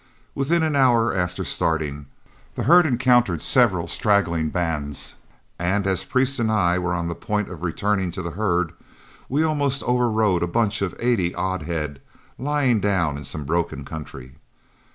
Within an hour after starting, the herd encountered several straggling bands, and as Priest and I were on the point of returning to the herd, we almost overrode a bunch of eighty odd head lying down in some broken country.